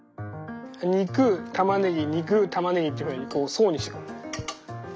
肉たまねぎ肉たまねぎっていうふうにこう層にしていく。